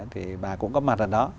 thì bà cũng có mặt ở đó